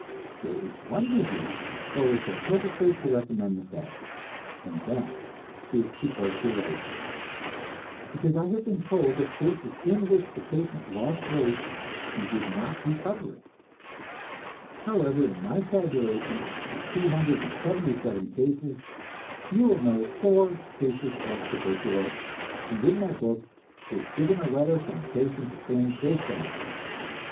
There is one disease for which I hesitate to recommend the fast, and that is tuberculosis, because I have been told of cases in which the patient lost weight and did not recover it. However, in my tabulation of 277 cases, you will note four cases of tuberculosis, and in my book is given a letter from a patient who claimed great benefit.